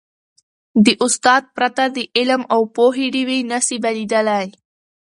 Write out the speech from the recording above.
د استاد پرته، د علم او پوهې ډېوي نه سي بلېدلی.